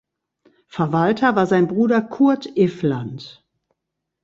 Verwalter war sein Bruder Kurt Iffland.